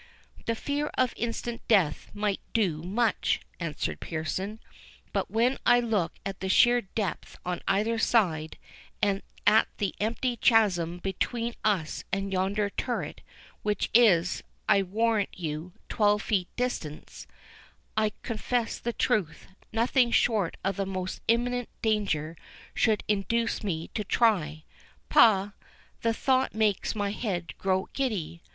"The fear of instant death might do much," answered Pearson; "but when I look at that sheer depth on either side, and at the empty chasm between us and yonder turret, which is, I warrant you, twelve feet distant, I confess the truth, nothing short of the most imminent danger should induce me to try. Pah—the thought makes my head grow giddy!